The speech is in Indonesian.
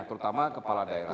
terutama kepala daerah